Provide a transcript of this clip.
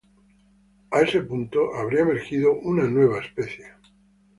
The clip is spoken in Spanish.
A ese punto, habría emergido una nueva especie.